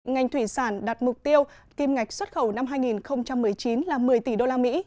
ngành thủy sản đặt mục tiêu kim ngạch xuất khẩu năm hai nghìn một mươi chín là một mươi tỷ đô la mỹ